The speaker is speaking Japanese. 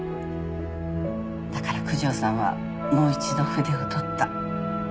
だから九条さんはもう一度筆を執った。